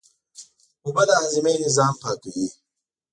اوبه د هاضمې نظام پاکوي